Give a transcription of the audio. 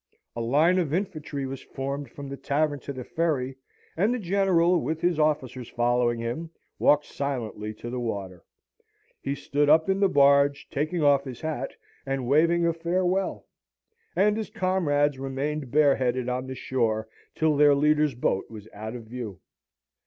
A line of infantry was formed from the tavern to the ferry, and the General, with his officers following him, walked silently to the water. He stood up in the barge, taking off his hat, and waving a farewell. And his comrades remained bareheaded on the shore till their leader's boat was out of view.